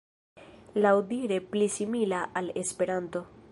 Laŭdire pli simila al Esperanto.